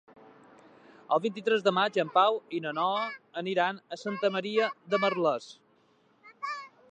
El vint-i-tres de maig en Pau i na Noa aniran a Santa Maria de Merlès.